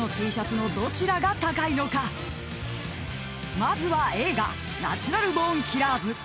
［まずは映画『ナチュラル・ボーン・キラーズ』］